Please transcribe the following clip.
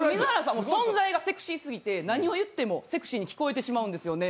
水原さんの存在がセクシーすぎて、何を言ってもセクシーに聞こえてしまうんですよね。